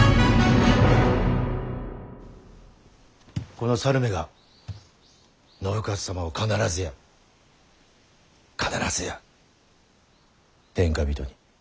この猿めが信雄様を必ずや必ずや天下人に。